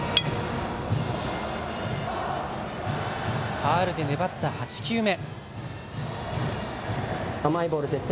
ファールで粘った８球目。